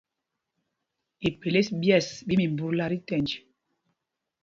Ipelês ɓyes ɓí mimbutla tí tɛnj.